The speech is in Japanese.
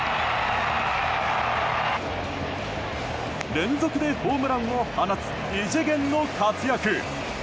連続でホームランを放つ異次元の活躍。